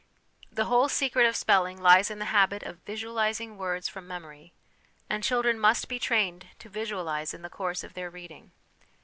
The whole secret of spelling lies in the habit of visualising words from memory, and children must be trained to visualise in the course of their reading.